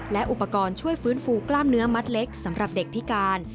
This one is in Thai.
และอุปกรณ์ช่วยฟื้นฟูกล้ามเนื้อมัดเล็กสำหรับเด็กพิการ